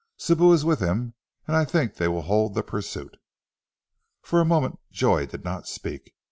Sibou is with him, and I think they will hold the pursuit." For a moment Joy did not speak.